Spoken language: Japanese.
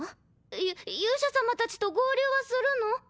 ゆ勇者様たちと合流はするの？